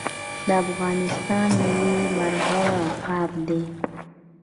د افغانستان ملي مرغه عقاب دی